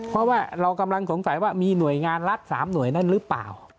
เพราะว่าเรากำลังสงสัยว่ามีหน่วยงานรัฐ๓หน่วยนั้นหรือเปล่า